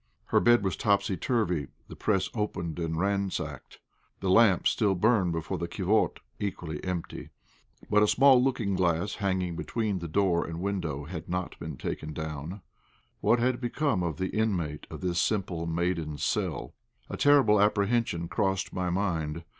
Her bed was topsy turvy, the press open and ransacked. A lamp still burned before the "kivott" equally empty; but a small looking glass hanging between the door and window had not been taken away. What had become of the inmate of this simple maiden's cell? A terrible apprehension crossed my mind.